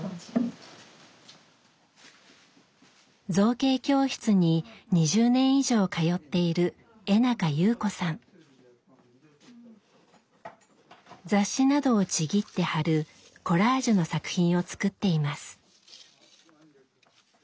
造形教室に２０年以上通っている雑誌などをちぎって貼るコラージュの作品を作っています。